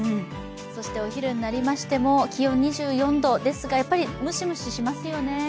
そしてお昼になりましても気温２４度ですがムシムシしますよね。